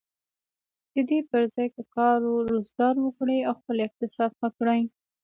د دې پر ځای که کار و روزګار وکړي او خپل اقتصاد ښه کړي.